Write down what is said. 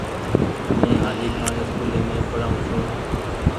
مين هآجي کآن اسڪولي مين پڙآئو ڇون۔